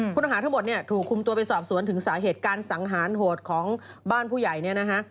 ผู้ต้องหาทั้งหมดเนี่ยถูกคุมตัวไปสอบสวนถึงสาเหตุการสังหารโหดของบ้านผู้ใหญ่เนี่ยนะฮะ